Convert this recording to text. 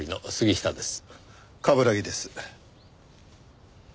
冠城です。